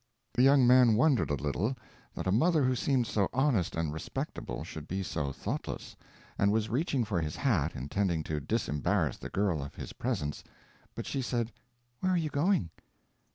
The young man wondered a little that a mother who seemed so honest and respectable should be so thoughtless, and was reaching for his hat, intending to disembarrass the girl of his presence; but she said: "Where are you going?"